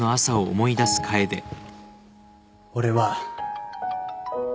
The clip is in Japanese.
俺は